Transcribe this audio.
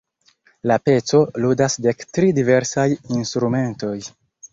La pecon ludas dek tri diversaj instrumentoj.